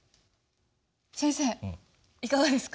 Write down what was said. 先生いかがですか？